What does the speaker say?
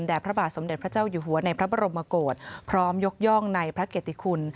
พระบาทสมเด็จพระเจ้าอยู่หัวในพระบรมโกศพร้อมยกย่องในพระเกติคุณ